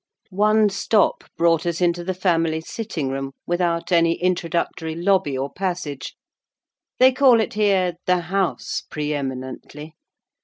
One step brought us into the family sitting room, without any introductory lobby or passage: they call it here "the house" pre eminently.